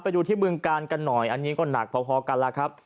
ไปดูที่บึงกาลกันหน่อยอันนี้ก็หนักพอกันแล้วครับ